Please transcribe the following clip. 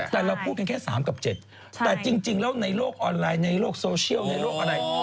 แต่เราพูดกันแค่๓กับ๗แต่จริงแล้วในโลกออนไลน์ในโลกโซเชียลในโลกอะไร